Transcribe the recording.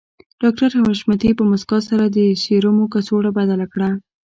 ډاکټر حشمتي په مسکا سره د سيرومو کڅوړه بدله کړه